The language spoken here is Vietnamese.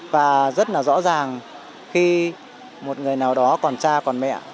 và rất là rõ ràng khi một người nào đó còn cha còn mẹ